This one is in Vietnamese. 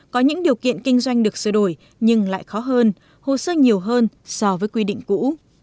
có những điều kiện kinh doanh được sửa đổi nhưng lại khó hơn hồ sơ nhiều hơn so với quy định cũ